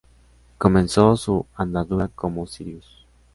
Comenzó su andadura como Sirius.